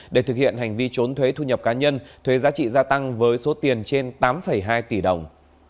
để thực hiện hành vi trốn thuế thu nhập cá nhân thuế giá trị gia tăng với số tiền trên tám hai tỷ đồng